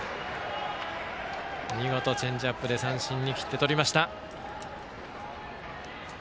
見事チェンジアップで三振に切ってとりました。